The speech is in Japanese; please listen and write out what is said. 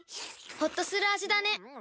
ホッとする味だねっ。